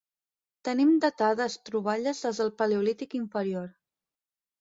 Tenim datades troballes des del Paleolític Inferior.